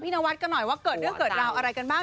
นวัดกันหน่อยว่าเกิดเรื่องเกิดราวอะไรกันบ้าง